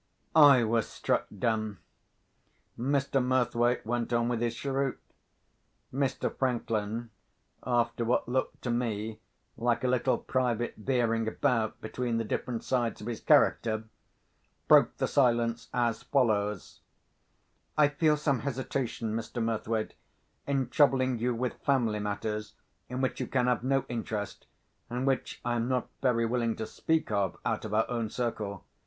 I was struck dumb. Mr. Murthwaite went on with his cheroot. Mr. Franklin, after what looked to me like a little private veering about between the different sides of his character, broke the silence as follows: "I feel some hesitation, Mr. Murthwaite, in troubling you with family matters, in which you can have no interest and which I am not very willing to speak of out of our own circle.